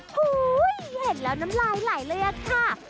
เห็นแล้วน้ำลายไหลเลยอะค่ะ